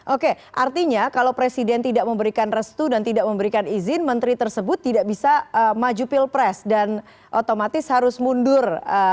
oke artinya kalau presiden tidak memberikan restu dan tidak memberikan izin menteri tersebut tidak bisa maju pilpres dan otomatis harus mundur